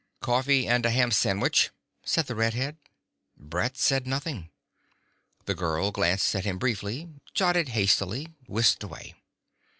"Coffee and a ham sandwich," said the red head. Brett said nothing. The girl glanced at him briefly, jotted hastily, whisked away.